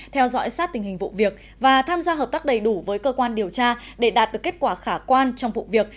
theo dõi sát tình hình vụ việc và tham gia hợp tác đầy đủ với cơ quan điều tra để đạt được kết quả khả quan trong vụ việc